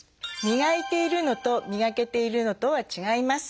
磨いているのと磨けているのとは違います。